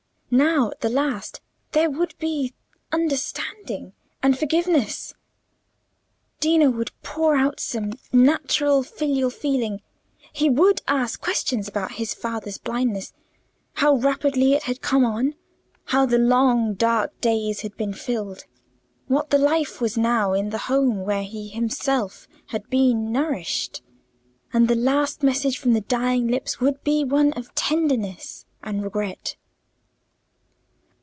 Now, at the last, there would be understanding and forgiveness. Dino would pour out some natural filial feeling; he would ask questions about his father's blindness—how rapidly it had come on? how the long dark days had been filled? what the life was now in the home where he himself had been nourished?—and the last message from the dying lips would be one of tenderness and regret.